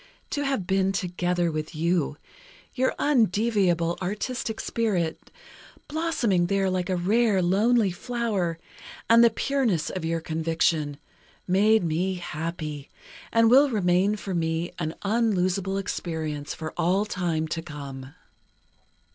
To have been together with you, your undeviable artistic spirit, blossoming there like a rare lonely flower, and the pureness of your conviction, made me happy and will remain for me an unlosable experience for all time to come....